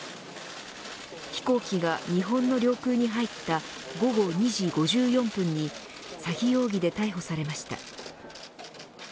飛行機が日本の領空に入った午後２時５４分に詐欺容疑で逮捕されました。